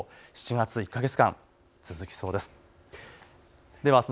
７月、１か月間続きそうです。